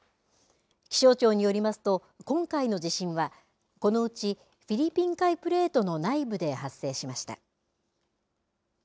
気象庁によりますと今回の地震はこのうちフィリピン海プレートの内部で発生しました。